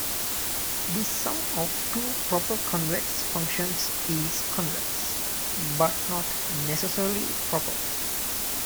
The sum of two proper convex functions is convex, but not necessarily proper.